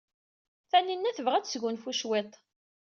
Taninna tebɣa ad tesgunfu cwiṭ.